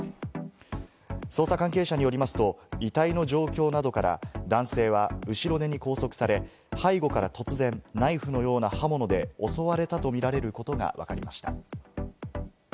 捜査関係者によりますと、遺体の状況などから、男性は後ろ手に拘束され、背後から突然、ナイフのような刃物で襲われたとみられることがわかりました。